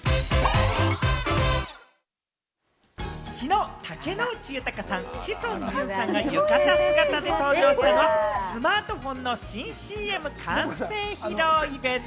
きのう竹野内豊さん、志尊淳さんが浴衣姿で登場したのは、スマートフォンの新ＣＭ完成披露イベント。